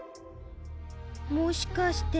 もしかして。